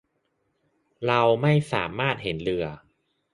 เราไม่สามารถเห็นเรือ